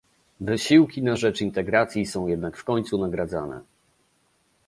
Wysiłki na rzecz integracji są jednak w końcu nagradzane